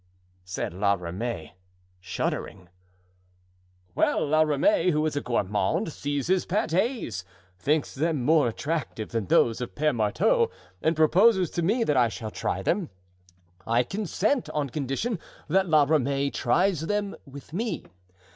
said La Ramee, shuddering. "Well, La Ramee, who is a gourmand, sees his pates, thinks them more attractive than those of Pere Marteau and proposes to me that I shall try them. I consent on condition that La Ramee tries them with me.